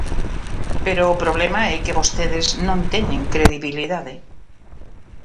Pero o problema é que vostedes non teñen credibilidade.